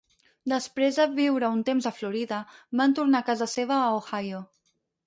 Després de viure un temps a Florida, va tornar a casa seva a Ohio.